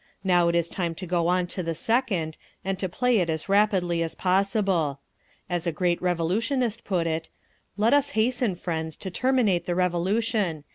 Now it is time to go on to the second, and to play it as rapidly as possible. As a great revolutionist put it, "Let us hasten, friends, to terminate the Revolution.